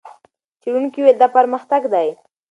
څېړونکو وویل، دا پرمختګ دی.